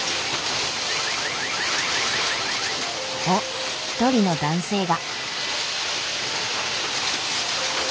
おっ一人の男性が。